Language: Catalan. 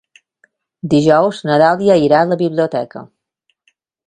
Dijous na Dàlia irà a la biblioteca.